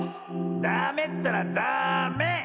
ダメったらダメ！